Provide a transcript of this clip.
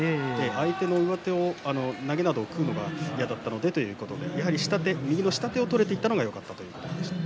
相手の上手、投げなどを食うのが嫌なのでとやはり右の下手を取れていたのがよかったと言っていました。